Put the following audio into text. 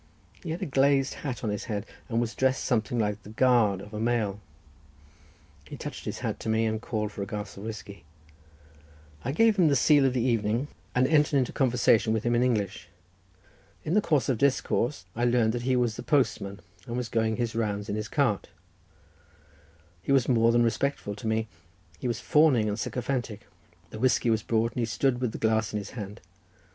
He had a glazed hat on his head, and was dressed something like the guard of a mail. He touched his hat to me, and called for a glass of whiskey. I gave him the sele of the evening, and entered into conversation with him in English. In the course of discourse I learned that he was the postman, and was going his rounds in his cart—he was more than respectful to me, he was fawning and sycophantic. The whiskey was brought, and he stood with the glass in his hand.